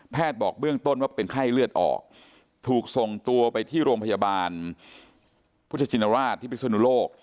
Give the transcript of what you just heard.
บอกเบื้องต้นว่าเป็นไข้เลือดออกถูกส่งตัวไปที่โรงพยาบาลพุทธชินราชที่พิศนุโลก